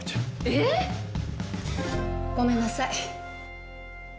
えっ！？ごめんなさい。